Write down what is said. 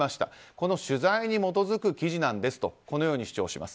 この取材に基づく記事なんですとこのように主張します。